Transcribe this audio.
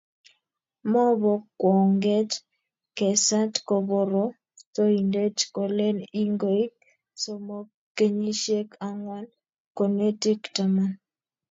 Mobo kwonget kesat koborostoindet kolen ingoik somok, kenyisiek angwan, konetik taman